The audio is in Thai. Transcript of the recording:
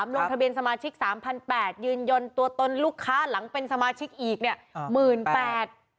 ลงทะเบียนสมาชิก๓๘๐๐บาทยืนยนตัวตนลูกค้าหลังเป็นสมาชิกอีก๑๘๐๐๐บาท